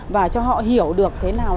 và cho họ hiểu được thế nào